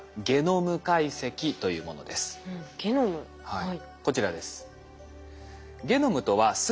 はいこちらです。